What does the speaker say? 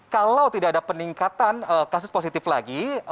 kalau tidak ada peningkatan kasus positif lagi